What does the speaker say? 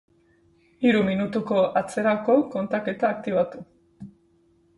Hiru minutuko atzerako kontaketa aktibatu